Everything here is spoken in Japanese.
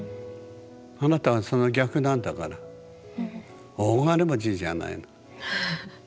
あなたはその逆なんだから大金持ちじゃないの。